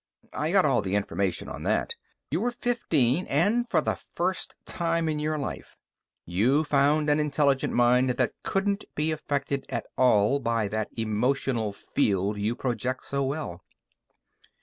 I got all the information on that. You were fifteen, and, for the first time in your life, you found an intelligent mind that couldn't be affected at all by that emotional field you project so well.